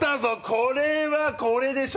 これはこれでしょ！